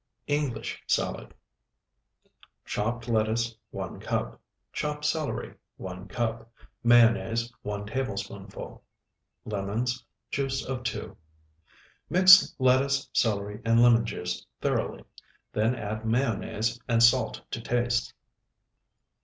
ENGLISH SALAD Chopped lettuce, 1 cup. Chopped celery, 1 cup. Mayonnaise, 1 tablespoonful. Lemons, juice of 2. Mix lettuce, celery, and lemon juice thoroughly, then add mayonnaise and salt to taste.